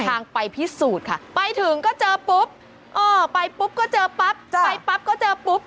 ทางไปพิสูจน์ค่ะไปถึงก็เจอปุ๊บเออไปปุ๊บก็เจอปั๊บไปปั๊บก็เจอปุ๊บ